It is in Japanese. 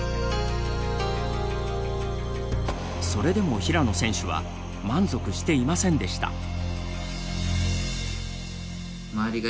それでも平野選手は満足していませんでした。